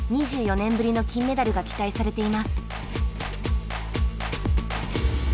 ２４年ぶりの金メダルが期待されています。